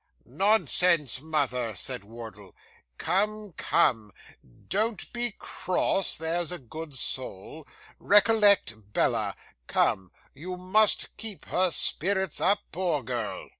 'Nonsense, mother,' said Wardle. 'Come, come, don't be cross, there's a good soul. Recollect Bella; come, you must keep her spirits up, poor girl.